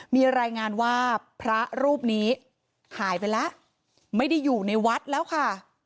มีรายงานว่าพระรูปนี้หายไปแล้วไม่ได้อยู่ในวัดแล้วค่ะ